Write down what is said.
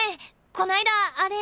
こないだあれ。